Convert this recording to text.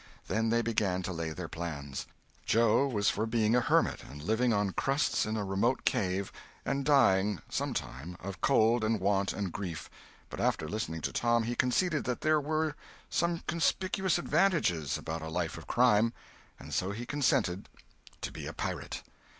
Then they began to lay their plans. Joe was for being a hermit, and living on crusts in a remote cave, and dying, some time, of cold and want and grief; but after listening to Tom, he conceded that there were some conspicuous advantages about a life of crime, and so he consented to be a pirate.